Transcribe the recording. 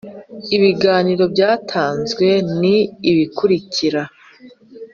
Ibiganiro byatanzwe ni ibikurikira